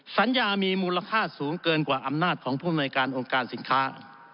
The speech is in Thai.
สัญญามีมูลค่าสูงเกินกว่าอำนาจของผู้อำนวยการองค์การสินค้า